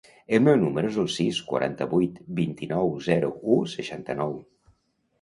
El meu número es el sis, quaranta-vuit, vint-i-nou, zero, u, seixanta-nou.